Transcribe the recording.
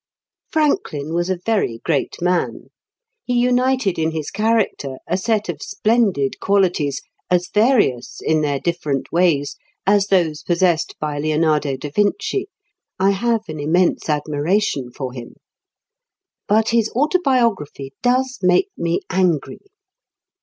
Franklin was a very great man; he united in his character a set of splendid qualities as various, in their different ways, as those possessed by Leonardo da Vinci. I have an immense admiration for him. But his Autobiography does make me angry.